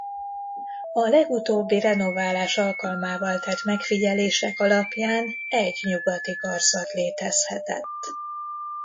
A legutóbbi renoválás alkalmával tett megfigyelések alapján egy nyugati karzat létezhetett.